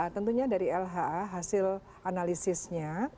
tentunya dari lha hasil analisisnya